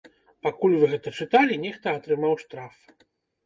Пакуль вы гэта чыталі, нехта атрымаў штраф!